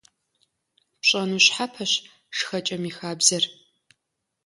Пщӏэну щхьэпэщ шхэкӏэм и хабзэхэр.